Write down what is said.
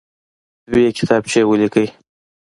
دوې کتابچې ولیکئ.